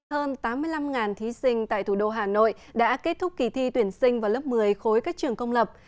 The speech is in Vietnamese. hơn tám mươi năm thí sinh tại thủ đô hà nội đã kết thúc kỳ thi tuyển sinh vào lớp một mươi khối các trường công lập